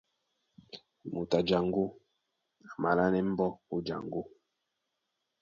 Moto a jaŋgó a malánɛ́ mbɔ́ ó jaŋgó.